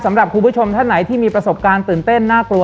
สำหรับคุณผู้ชมท่านไหนที่มีประสบการณ์ตื่นเต้นน่ากลัว